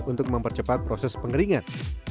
untuk mempercepat proses pengeringan